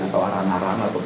pemirsa dari pdvp